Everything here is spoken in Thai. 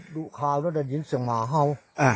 ดูข่าวแล้วได้ยินเสียงหมาเห่า